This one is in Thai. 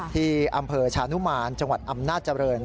ที่อำเภอชานุมานจังหวัดอำนาจเจริญ